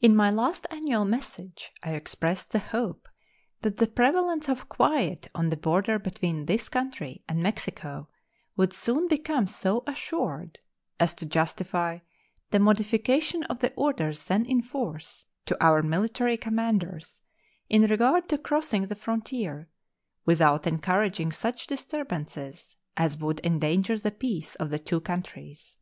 In my last annual message I expressed the hope that the prevalence of quiet on the border between this country and Mexico would soon become so assured as to justify the modification of the orders then in force to our military commanders in regard to crossing the frontier, without encouraging such disturbances as would endanger the peace of the two countries.